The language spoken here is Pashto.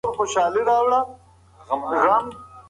موږ باید تل د علم په لټه کې سو.